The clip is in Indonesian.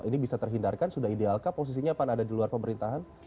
ini bisa terhindarkan sudah idealkah posisinya pan ada di luar pemerintahan